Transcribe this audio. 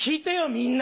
みんな！